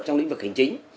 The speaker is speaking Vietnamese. trong lĩnh vực hành chính